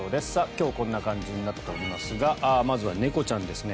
今日はこんな感じになっておりますがまずは猫ちゃんですね。